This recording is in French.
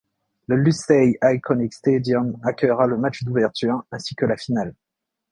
Le Lusail Iconic Stadium accueillera le match d'ouverture, ainsi que la finale.